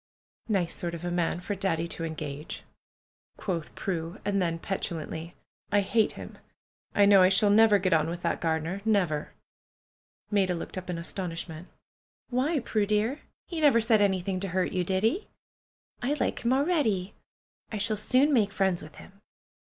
"Nice sort of a man for Daddy to engage," quoth Prue; and then petulantly. "I hate him! I know I shall never get on with that gardener. Never !" Maida looked up in astonishment. "Why, Prue dear, he never said anything to hurt you, did he? I like him already. I shall soon make friends with him."